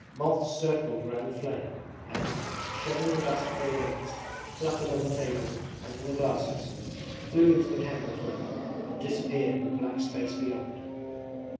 Moths circled round the flame and, shedding the dust of their wings, fluttered on the table and in the glasses, flew into the candle flame, and disappeared in the black space beyond.